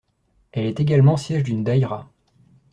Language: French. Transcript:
Elle est également siège d'une daïra.